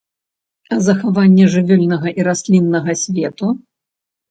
А захаванне жывёльнага і расліннага свету?